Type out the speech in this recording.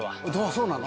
そうなの？